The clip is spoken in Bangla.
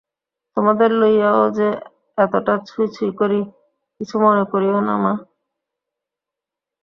তোমাদের লইয়াও যে এতটা ছুঁই-ছুঁই করি, কিছু মনে করিয়ো না মা।